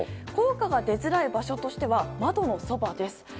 効果が出づらい場所としては窓のそばです。